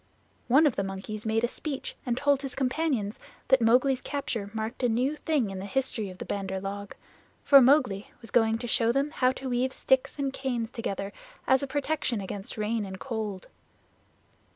One of the monkeys made a speech and told his companions that Mowgli's capture marked a new thing in the history of the Bandar log, for Mowgli was going to show them how to weave sticks and canes together as a protection against rain and cold.